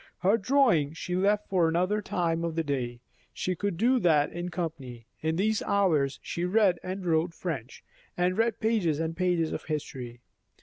Her drawing she left for another time of day; she could do that in company; in these hours she read and wrote French, and read pages and pages of history.